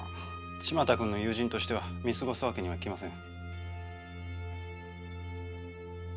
千万太君の友人としては見過ごす訳にはいきません。